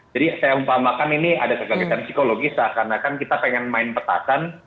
jadi saya umpamakan ini ada kekagetan psikologis karena kan kita pengen main petakan